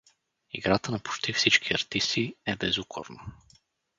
Играта на почти всички артисти е безукорна.